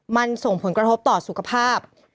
มันส่งผลกระทบต่อสุขภาพ